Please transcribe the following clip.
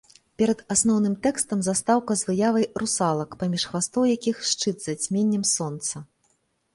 Перад асноўным тэкстам застаўка з выявай русалак, паміж хвастоў якіх шчыт з зацьменнем сонца.